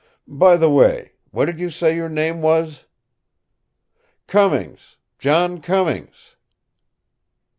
"By the way, what did you say your name was?" "Cummings John Cummings."